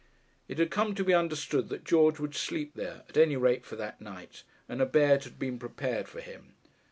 It had come to be understood that George would sleep there, at any rate for that night, and a bed had been prepared for him.